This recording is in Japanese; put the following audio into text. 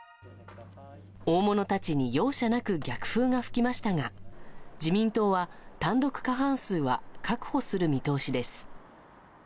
大物たちに容赦なく逆風が吹きましたが、自民党は単独過半数は確保する見通しです。